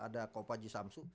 ada ko paji samsu